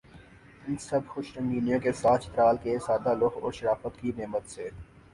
ان سب خوش رنگینیوں کے ساتھ چترال کے سادہ لوح اور شرافت کی نعمت سے